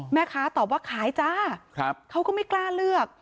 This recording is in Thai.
ตอบว่าขายจ้าเขาก็ไม่กล้าเลือก